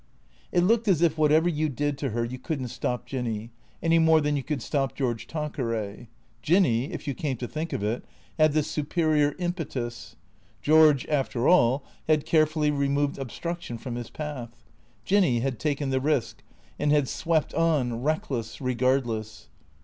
It looked as if whatever you did to her you could n't stop Jinny, any more than you could stop George Tanqueray. Jinny, if you came to think of it, had the superior impetus. George, after all, had carefully removed obstruction from his path. Jinny had taken the risk, and had swept on, reckless, regardless.